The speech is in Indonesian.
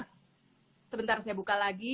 sebentar saya buka lagi